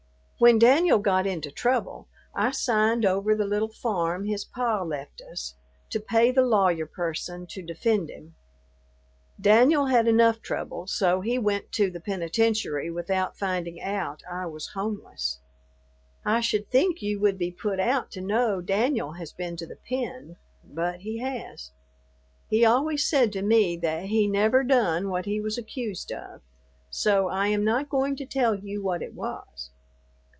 When Danyul got into trouble, I signed over the little farm his pa left us, to pay the lawyer person to defend him. Danyul had enough trouble, so he went to the penitentiary without finding out I was homeless. I should think you would be put out to know Danyul has been to the pen, but he has. He always said to me that he never done what he was accused of, so I am not going to tell you what it was.